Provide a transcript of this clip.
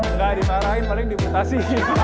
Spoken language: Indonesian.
enggak dimarahin paling diputasi